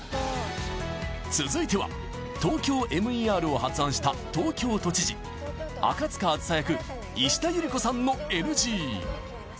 続いてはＴＯＫＹＯＭＥＲを発案した東京都知事赤塚梓役石田ゆり子さんのＮＧ